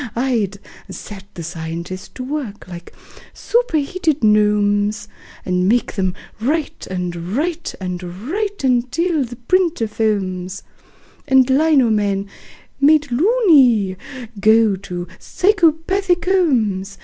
I'd set the scientists to work like superheated gnomes, And make them write and write and write until the printer foams And lino men, made "loony", go to psychopathic homes.